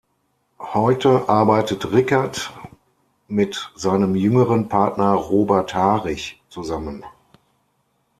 Heute arbeitet Rickert mit seinem jüngeren Partner Robert Harich zusammen.